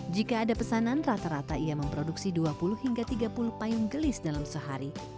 jika ada pesanan rata rata ia memproduksi dua puluh hingga tiga puluh payung gelis dalam sehari